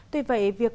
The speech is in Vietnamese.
tuy vậy việc